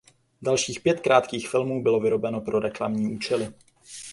Dalších pět krátkých filmů bylo vyrobeno pro reklamní účely.